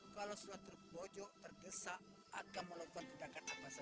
kalau sudah terbojok tergesa atau melakukan tindakan apa saja